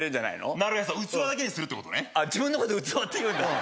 なるへそ器だけにするってことね自分のこと器って言うんだ？